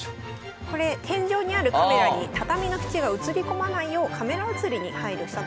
これ天井にあるカメラに畳の縁が映りこまないようカメラ映りに配慮したということで。